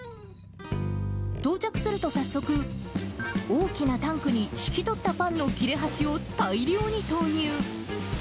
到着すると早速、大きなタンクに、引き取ったパンの切れ端を大量に投入。